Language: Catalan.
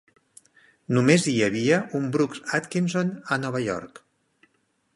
Només hi havia un Brooks Atkinson a Nova York.